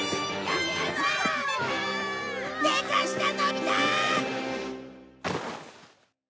でかしたのび太！